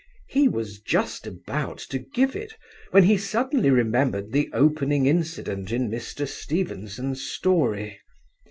He was just about to give it when he suddenly remembered the opening incident in Mr. Stevenson's story.